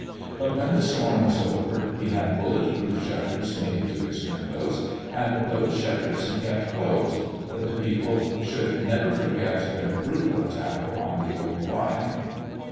But when the storm was over, he had bullet proof shutters made to his windows, and those shutters he kept closed, that the people should never forget their brutal attack upon the old lion.